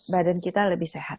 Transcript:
badan kita lebih sehat